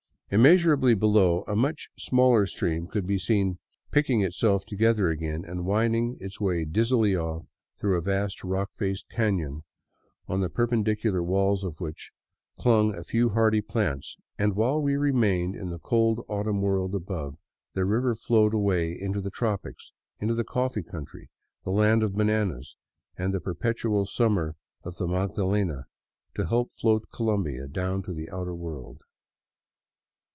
Im measurely below, a much smaller stream could be seen picking itself together again and winding its way dizzily off through a vast rock faced caiion on the perpendicular walls of which clung a few hardy plants; and while we remained in the cold autumn world above, the river flowed away into the tropics, into the coffee country, the land of bananas, and the perpetual summer of the Magdalena, to help float Colombia down to the outer world.